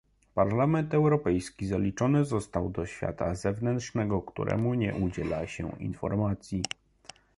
Parlament Europejski zaliczony został do świata zewnętrznego, któremu nie udziela się informacji